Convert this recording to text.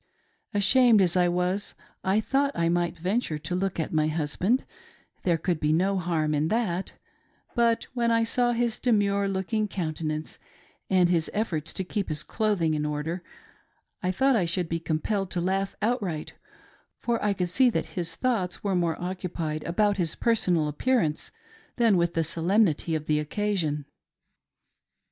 Ashamed as I Was, I thought 1 might ventufe to look at my husband — there cduld be no harm in that; — but when I saw his demure looking countenance and his efforts to keep his clothing in order, I thought I should be compelled to laiigh outright, for I could see that his thoughts were more occupied about his personal appearance than with the solemnity of the occasion.